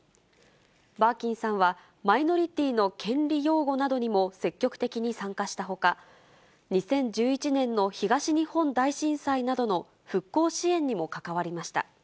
バーキンさんは、マイノリティーの権利擁護などにも積極的に参加したほか、２０１１年の東日本大震災などの復興支援にも関わりました。